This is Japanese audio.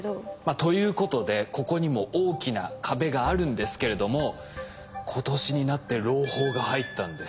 ということでここにも大きな壁があるんですけれども今年になって朗報が入ったんです。